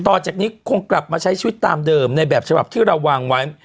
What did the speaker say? ต่อจากนี้คงกลับมาใช้ชีวิตตามเดิมในแบบฉบับที่เราวางไว้